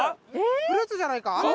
フルーツじゃないか？